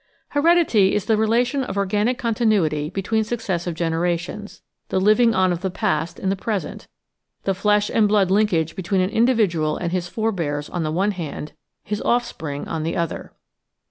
Heredity is the relation of organic continuity between suc cessive generations, the living on of the past in the present, the flesh and blood linkage between an individual and his forbears on the one hand, his offspring on the other.